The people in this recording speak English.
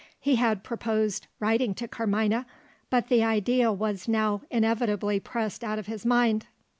He had purposed writing to Carmina, but the idea was now inevitably pressed out of his mind.